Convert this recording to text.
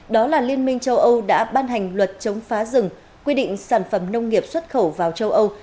đó là liên minh châu âu đã ban hành luật chống phá rừng quy định sản phẩm nông nghiệp xuất khẩu vào châu âu